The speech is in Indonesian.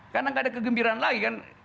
karena nggak ada kegembiraan lagi kan